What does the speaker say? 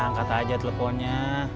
udah angkat aja teleponnya